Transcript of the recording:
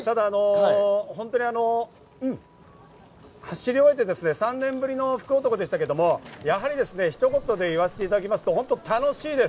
ただ、走り終えて３年ぶりの福男でしたけれども、やはりひと言で言わせていただくと楽しいです。